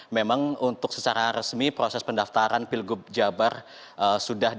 memang untuk secara resmi proses pendaftaran pilgub jawa barat